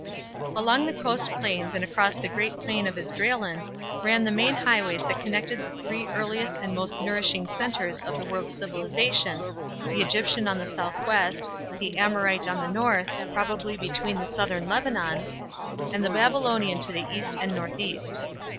Along the coast plains and across the great Plain of Esdraelon ran the main highways that connected the three earliest and most nourishing centres of the world's civilization: the Egyptian on the southwest, the Amorite on the north, probably between the southern Lebanons, and the Babylonian to the east and northeast.